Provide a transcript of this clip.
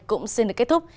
cũng xin được kết thúc